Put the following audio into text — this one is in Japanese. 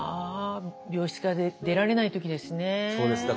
病室から出られない時ですね。